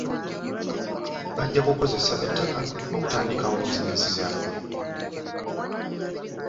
Bajja kukozesa ettaka okutandikawo bizinensi zaabwe.